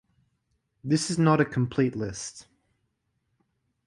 This is not a complete list.